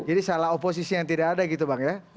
jadi salah oposisi yang tidak ada gitu bang ya